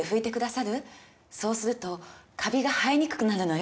そうするとカビが生えにくくなるのよ。